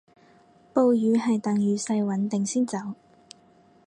暴雨係等雨勢穩定先走